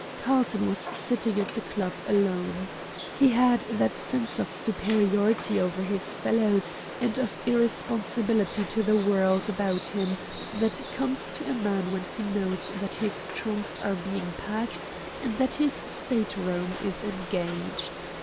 Carlton was sitting in the club alone. He had that sense of superiority over his fellows and of irresponsibility to the world about him that comes to a man when he knows that his trunks are being packed and that his state room is engaged.